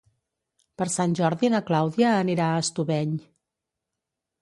Per Sant Jordi na Clàudia anirà a Estubeny.